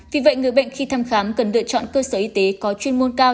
vì vậy người bệnh khi thăm khám cần lựa chọn cơ sở y tế có chuyên môn cao